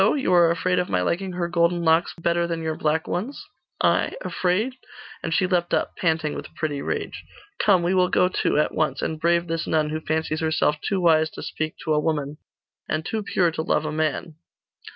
You are afraid of my liking her golden locks better than your black ones?' 'I? Afraid?' And she leapt up, panting with pretty rage. 'Come, we will go too at once and brave this nun, who fancies herself too wise to speak to a woman, and too pure to love a man!